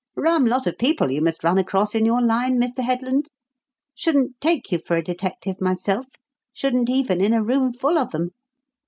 "Rum lot of people you must run across in your line, Mr. Headland. Shouldn't take you for a detective myself, shouldn't even in a room full of them.